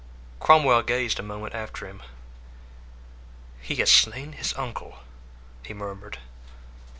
Cromwell gazed a moment after him. "He has slain his uncle!" he murmured.